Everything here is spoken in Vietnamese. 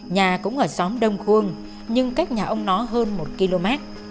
nhà cũng ở xóm đông khuôn nhưng cách nhà ông nó hơn một km